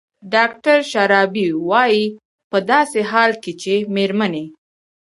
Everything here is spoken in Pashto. ډاکتر شرابي وايي په داسې حال کې چې مېرمنې